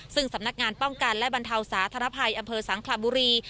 ซึ่งสำนักงานป้องกันและบรรเทาสาธารณภัยอำเภอสังขระบุรี